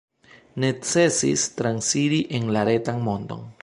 Necesis transiri en la retan mondon.